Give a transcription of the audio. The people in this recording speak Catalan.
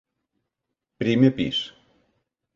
Primer pis.